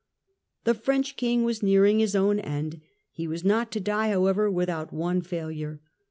The French King was nearing his own end ; he was not to die, however, without one failure.